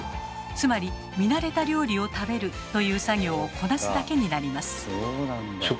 つまり見慣れた料理を食べるという作業をこなすだけになります。